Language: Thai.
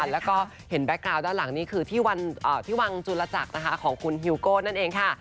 แล้วก็เห็นแบ็คกาวน์ด้านหลังนี่คือที่วังจุลจักรนะคะของคุณฮิวโก้นั่นเองค่ะ